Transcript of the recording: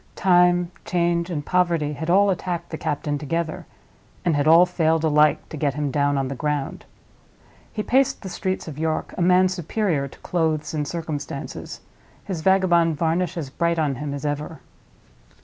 Time, change, and poverty had all attacked the captain together, and had all failed alike to get him down on the ground. He paced the streets of York, a man superior to clothes and circumstances—his vagabond varnish as bright on him as ever.